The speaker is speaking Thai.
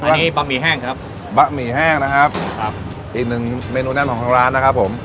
อันนี้บะหมี่แห้งครับบะหมี่แห้งนะครับครับอีกหนึ่งเมนูแน่นของทางร้านนะครับผม